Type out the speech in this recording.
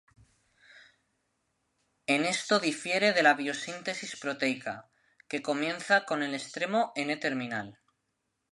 En esto difiere de la biosíntesis proteica, que comienza en el extremo N-terminal.